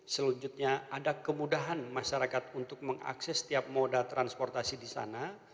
selanjutnya ada kemudahan masyarakat untuk mengakses setiap moda transportasi di sana